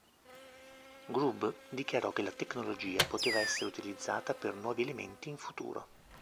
Grubb dichiarò che la tecnologia poteva essere utilizzata per nuovi elementi in futuro.